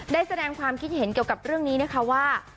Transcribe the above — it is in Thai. ได้แสดงความคิดเห็นเกี่ยวกับเรื่องนี้นะคะว่า